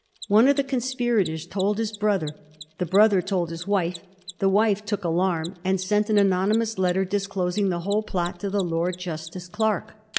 One of the conspirators told his brother ; the brother told his wife ; the lady took alarm, and sent an anonymous letter disclosing the whole plot to the Lord Justice Clerk.